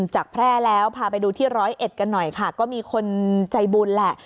แพร่แล้วพาไปดูที่ร้อยเอ็ดกันหน่อยค่ะก็มีคนใจบุญแหละ